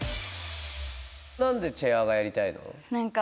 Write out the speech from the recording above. なんでチェアーがやりたいの？